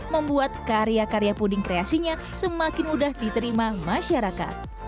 membuat karya karya puding kreasinya semakin mudah diterima masyarakat